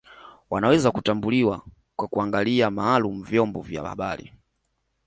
Wanaweza kutambuliwa kwa kuangalia maalum vyombo vya habari